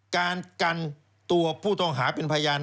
การกันตัวผู้ต้องหาเป็นพยาน